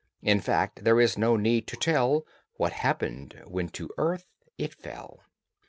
In fact, there is no need to tell What happened when to earth it fell.